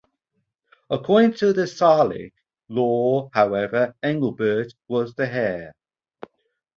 According to the Salic law, however, Engelbert was the heir.